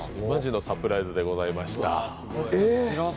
マジのサプライズでございました。